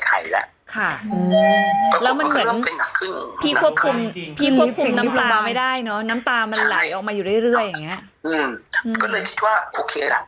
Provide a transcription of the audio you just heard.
ก็เลยคิดว่าโอเคล่ะ